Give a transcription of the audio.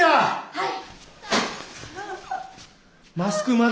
はい！